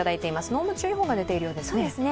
濃霧注意報が出ているようですね。